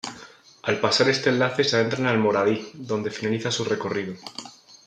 Al pasar este enlace se adentra en Almoradí donde finaliza su recorrido.